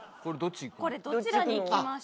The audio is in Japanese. これどちらに行きましょうか？